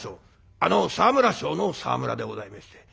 あの沢村賞の沢村でございまして。